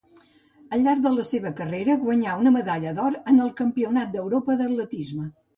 Al llarg de la seva carrera guanyà una medalla d'or en el Campionat d'Europa d'atletisme.